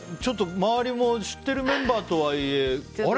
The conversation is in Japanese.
周りも知ってるメンバーとはいえあれ？